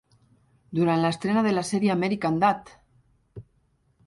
Durant l'estrena de la sèrie American Dad!